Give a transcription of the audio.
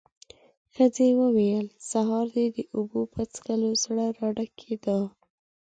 ښځې وويل: سهار دې د اوبو په څښلو زړه راډکېده.